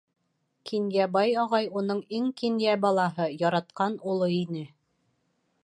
Кинйәбай ағай уның иң кинйә балаһы, яратҡан улы ине.